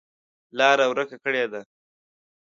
لاره ورکه کړې ده.